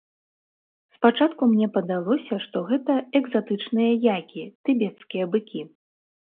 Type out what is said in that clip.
Спачатку мне падалося, што гэта экзатычныя які, тыбецкія быкі.